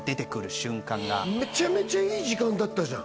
瞬間がめちゃめちゃいい時間だったじゃん